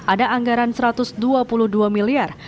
ada anggaran rp satu ratus dua puluh dua miliar